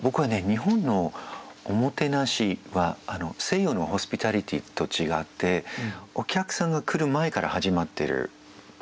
日本のおもてなしは西洋のホスピタリティーと違ってお客さんが来る前から始まってることを思うんですね。